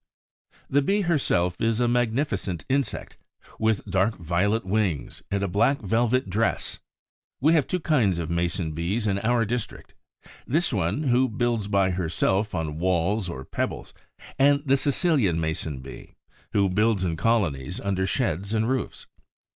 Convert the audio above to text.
The Bee herself is a magnificent insect, with dark violet wings and a black velvet dress. We have two kinds of Mason bees in our district: this one, who builds by herself on walls or pebbles, and the Sicilian Mason bee, who builds in colonies under sheds and roofs.